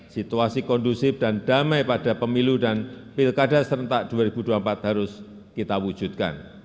situasi kondusif dan damai pada pemilu dan pilkada serentak dua ribu dua puluh empat harus kita wujudkan